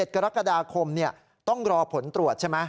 ๑กรกฎาคมต้องรอผลตรวจใช่ไหม